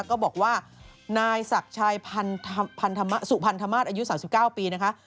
ก็บอกว่านายศักดิ์ชัยพันธสุพันธมาสอายุ๓๙ปีนะคะ